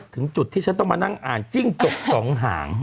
ถึงจุดที่ฉันต้องมานั่งอ่านจิ้งจกสองหาง